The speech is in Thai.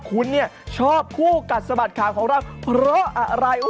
คุณเนี่ยชอบคู่กัดสะบัดข่าวของเราเพราะอะไร